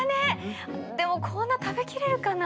でもこんな食べきれるかな？